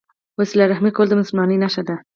وسیله رحمي کول د مسلمانۍ نښه ده.